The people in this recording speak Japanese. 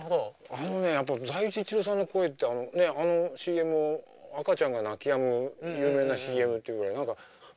あのねやっぱ財津一郎さんの声ってあのＣＭ赤ちゃんが泣きやむ有名なＣＭっていうぐらい何か耳に残るんですよ。